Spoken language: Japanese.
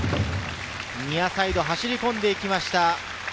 ニアサイド、走り込んでいきました。